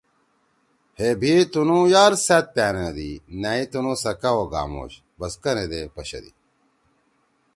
ہے بھی تُںُو یار سأت پیاندی نأیی تُنُو سکا او گاموش! بس کنَے دےپشَدی!